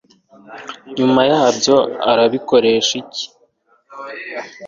nyuma yabyo urabikoresha iki